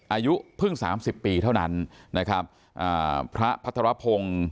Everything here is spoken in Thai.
อายุเพิ่งสามสิบปีเท่านั้นนะครับอ่าพระพัทรพงศ์